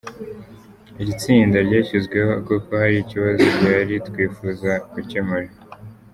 Iri tsinda ryashyizweho kuko hari ikibazo gihari twifuza gukemura.